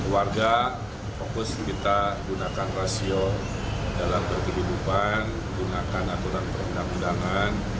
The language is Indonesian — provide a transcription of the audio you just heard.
warga fokus kita gunakan rasio dalam berkedudukan gunakan aturan perundang undangan